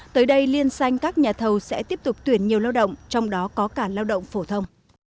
tới đây liên xanh các nhà thầu sẽ tiếp tục tuyển nhiều lao động trong đó có cả lao động phổ thông